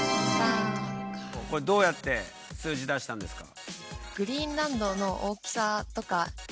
これどうやって数字出したんですか？